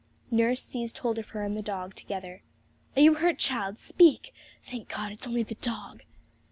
Nurse seized hold of her and the dog together. 'Are you hurt, child? Speak! Thank God, it's only the dog!'